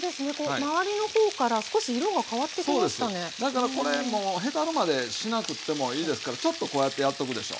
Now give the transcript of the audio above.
だからこれもうへたるまでしなくってもいいですからちょっとこうやってやっとくでしょ。